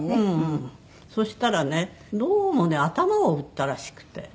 そしたらねどうもね頭を打ったらしくて。